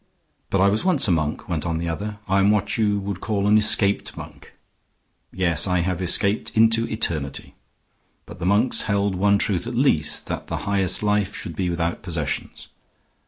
"But I was once a monk," went on the other. "I am what you would call an escaped monk. Yes, I have escaped into eternity. But the monks held one truth at least, that the highest life should be without possessions.